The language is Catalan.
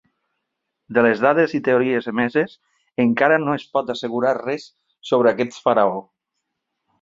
De les dades i teories emeses, encara no es pot assegurar res sobre aquest faraó.